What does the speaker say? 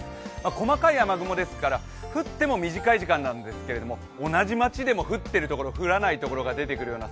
細かい雨雲ですから降っても短い時間なんですけれども、同じ町でも降ってるところ降らないところが出てくるような